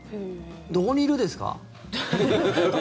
どこにいるですか？